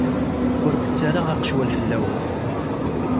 Ur d-ttarraɣ aqecwal fell-awent.